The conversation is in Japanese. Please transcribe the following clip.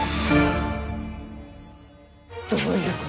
どういうこと？